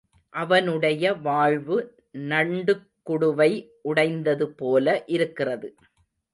அவனுடைய வாழ்வு நண்டுக்குடுவை உடைந்ததுபோல இருக்கிறது.